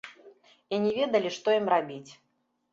І не ведалі, што ім рабіць.